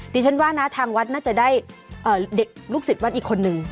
ดิฉันว่านะทางวัดน่าจะได้เด็กลูกศิษย์วัดอีกคนนึง